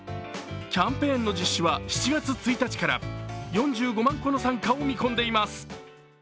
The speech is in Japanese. キャンペーンの実施は７月１日から４５万戸の参加を見込んでいます。